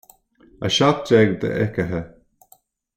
A seacht déag d'fhichithe